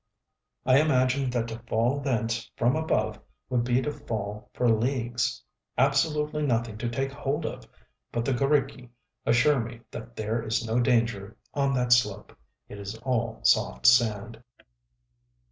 I imagine that to fall thence from above would be to fall for leagues. Absolutely nothing to take hold of. But the g┼Źriki assure me that there is no danger on that slope: it is all soft sand.